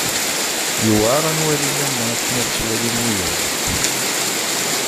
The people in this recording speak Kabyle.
Yuεer ad nwali iman-nneɣ akken i ɣ-ttwalin wiyaḍ.